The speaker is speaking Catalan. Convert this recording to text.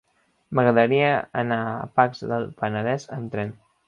M'agradaria anar a Pacs del Penedès amb tren.